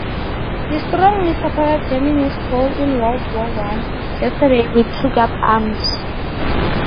He strongly supported Germany's role in World War One: Yesterday we took up arms.